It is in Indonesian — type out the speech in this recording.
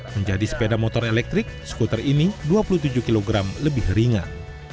menjadi sepeda motor elektrik skuter ini dua puluh tujuh kg lebih ringan